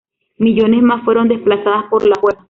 Millones más fueron desplazadas por la fuerza.